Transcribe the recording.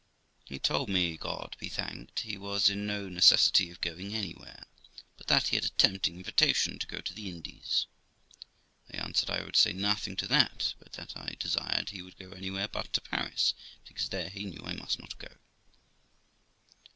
He told me, God be thanked, he was in no necessity of going anywhere, but that he had a tempting invitation to go to the Indies. I answered, I would say nothing to that, but that I desired he would go anywhere but to Paris, because there he knew I must not go.